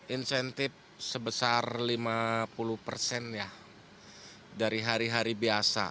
insentif sebesar lima puluh persen ya dari hari hari biasa